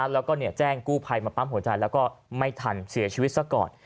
แล้วก็แจ้งกู้ภัยมาปั๊มหัวใจแล้วก็ไม่ทันเสียชีวิตซะก่อน